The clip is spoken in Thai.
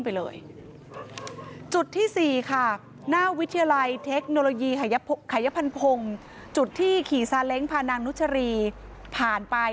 เพื่อพานางนุชรีผ่านไป